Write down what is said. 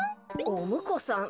おむこさん？